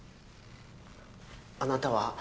あなたは？